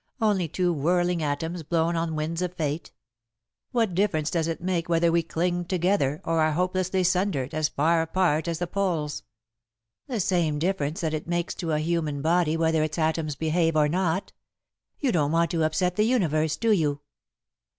Only two whirling atoms, blown on winds of Fate. What difference does it make whether we cling together, or are hopelessly sundered, as far apart as the poles?" "The same difference that it makes to a human body whether its atoms behave or not. You don't want to upset the Universe, do you?"